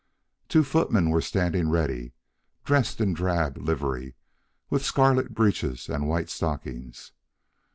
Two footmen were standing ready, dressed in drab livery, with scarlet breeches and white stockings.